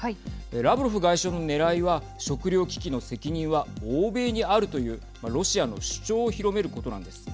ラブロフ外相のねらいは食料危機の責任は欧米にあるというロシアの主張を広めることなんです。